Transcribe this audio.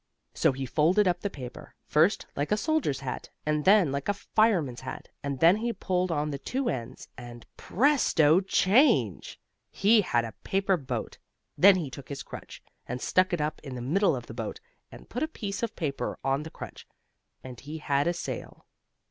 So he folded up the paper, first like a soldier's hat, and then like a fireman's hat, and then he pulled on the two ends, and, presto change! he had a paper boat. Then he took his crutch, and stuck it up in the middle of the boat, and put a piece of paper on the crutch, and he had a sail.